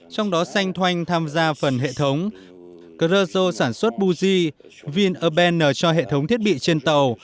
trong đó sanh thoanh tham gia phần hệ thống grosso sản xuất buzi vin urban cho hệ thống thiết bị trên tàu